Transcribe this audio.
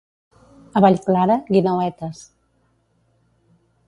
A Vallclara, guineuetes.